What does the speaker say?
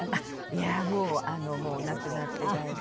いやもう亡くなってだいぶ。